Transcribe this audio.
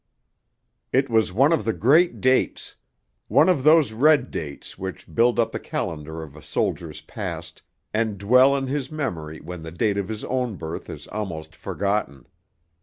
VI It was one of the Great Dates: one of those red dates which build up the calendar of a soldier's past, and dwell in his memory when the date of his own birth is almost forgotten.